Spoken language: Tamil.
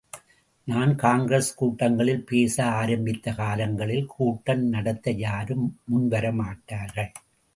நான் காங்கிரஸ் கூட்டங்களில் பேச ஆரம்பித்த காலங்களில் கூட்டம் நடத்த யாரும் முன் வரமாட்டார்கள்.